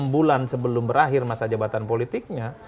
enam bulan sebelum berakhir masa jabatan politiknya